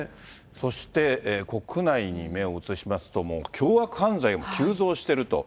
そして国内に目を移しますと、もう凶悪犯罪も急増してると。